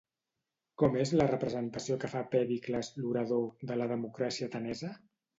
Com és la representació que fa Pèricles, l'orador, de la democràcia atenesa?